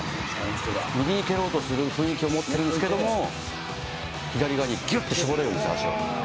右に蹴ろうとする雰囲気を持ってるんですけれども、左側にぎゅっと絞れるんですよ、足を。